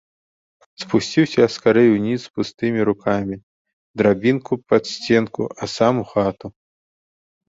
Спусціўся я скарэй уніз з пустымі рукамі, драбінку пад сценку, а сам у хату.